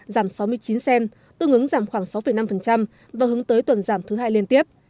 giảm sáu mươi chín cent tương ứng giảm khoảng sáu năm và hướng tới tuần giảm thứ hai liên tiếp